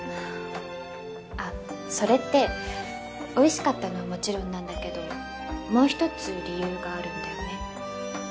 あっそれっておいしかったのはもちろんなんだけどもう一つ理由があるんだよね。